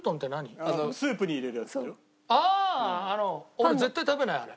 俺絶対食べないあれ。